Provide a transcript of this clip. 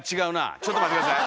ちょっと待って下さい！